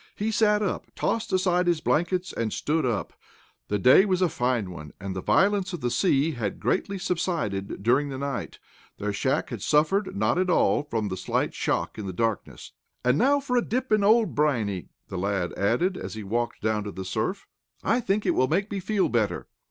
He sat up, tossed aside his blankets, and stood up. The day was a fine one, and the violence of the sea had greatly subsided during the night, their shack had suffered not at all from the slight shock in the darkness. "Now for a dip in old Briney," the lad added, as he walked down to the surf, "I think it will make me feel better."